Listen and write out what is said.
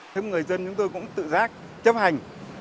thế người dân chúng tôi cũng tự giác chấp hành